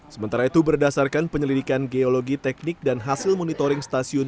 sementara itu berdasarkan penyelidikan geologi teknik dan hasil monitoring stasiun